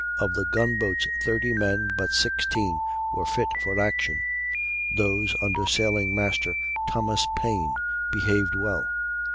Of the gun boat's 30 men but 16 were fit for action: those, under Sailing master Thomas Paine, behaved well.